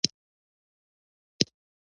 متغیره پانګه هم زیاتېږي او پانګه وده کوي